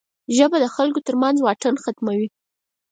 ژبه د خلکو ترمنځ واټن ختموي